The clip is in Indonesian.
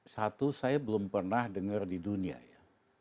satu saya belum pernah dengar di dunia ya